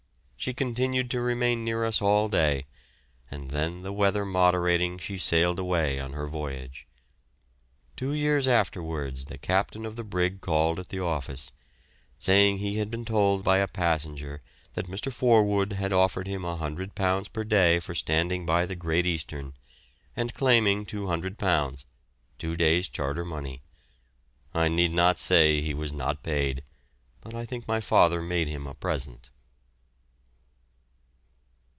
She continued to remain near us all day, and then the weather moderating she sailed away on her voyage. Two years afterwards the captain of the brig called at the office, saying he had been told by a passenger that Mr. Forwood had offered him £100 per day for standing by the "Great Eastern," and claiming £200, two days' charter money. I need not say he was not paid, but I think my father made him a present.